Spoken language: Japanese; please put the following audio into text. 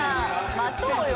待とうよ